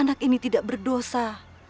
anak ini tidak berdosa